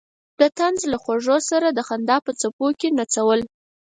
د طنز له خوږو سره د خندا په څپو کې نڅول.